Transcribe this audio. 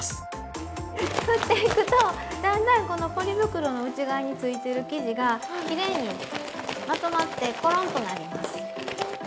ふっていくとだんだんこのポリ袋の内側についてる生地がきれいにまとまってコロンとなります。